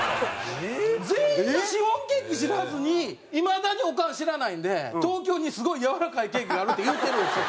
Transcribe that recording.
全員がシフォンケーキ知らずにいまだにオカン知らないんで「東京にすごいやわらかいケーキがある」って言うてるんですよ。